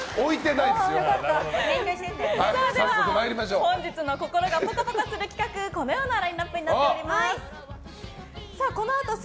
本日の心がぽかぽかする企画このようなラインアップになっています。